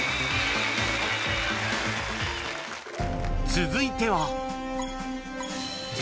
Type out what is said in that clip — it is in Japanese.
続いては